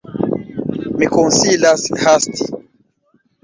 Mi konsilas hasti.